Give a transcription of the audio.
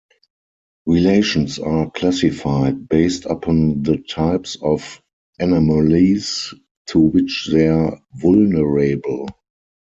Relations are classified based upon the types of anomalies to which they're vulnerable.